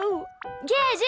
ゲージ！